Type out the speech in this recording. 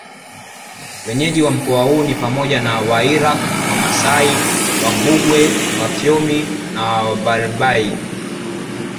Wenyeji wa mkoa huu ni pamoja na Wairaqw Wamasai Wambugwe Wafyomi na Wabarbaig